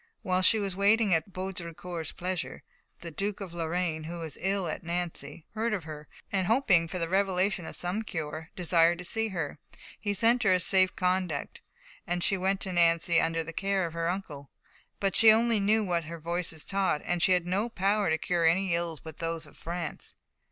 While she was waiting Baudricourt's pleasure, the Duke of Lorraine, who was ill at Nancy, heard of her, and, hoping for the revelation of some cure, desired to see her. He sent her a safe conduct, and she went to Nancy under care of her uncle. But she knew only what her voices taught, and she had no power to cure any ills but those of France.